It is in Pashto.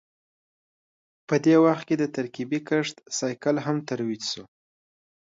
په دې وخت کې د ترکیبي کښت سایکل هم ترویج شو